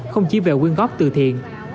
không chỉ về quyên góp từ thiện